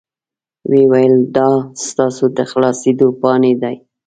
وې ویل دا ستاسو د خلاصیدو پاڼې دي.